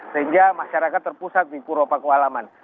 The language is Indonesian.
sehingga masyarakat terpusat di kuro pakualaman